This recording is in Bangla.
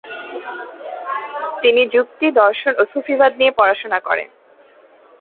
তিনি যুক্তি, দর্শন ও সুফিবাদ নিয়ে পড়াশোনা করেন।